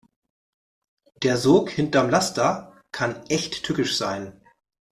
Der Sog hinterm Laster kann echt tückisch sein.